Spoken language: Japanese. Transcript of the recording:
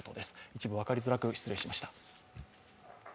一部分かりづらく失礼しました。